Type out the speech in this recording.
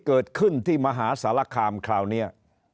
เกิดขึ้นที่มหาสารคามคราวนี้